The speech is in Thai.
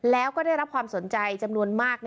แล้วก็ได้รับความสนใจจำนวนมาก